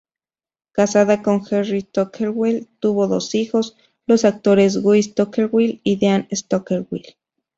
Casada con Harry Stockwell, tuvo dos hijos, los actores Guy Stockwell y Dean Stockwell.